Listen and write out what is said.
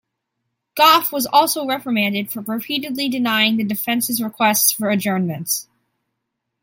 Goff was also reprimanded for repeatedly denying the defence's requests for adjournments.